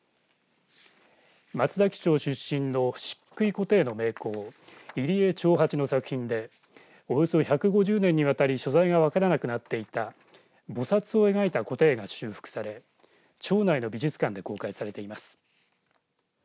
松崎町出身のしっくいこて絵の名工入江長八の作品でおよそ１５０年にわたり所在が分からなくなっていたぼさつを描いたこて絵が修復され町内の美術館で公開されています。